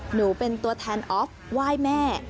หนูเป็นตัวแทนออฟไหว้แม่